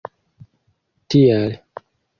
tial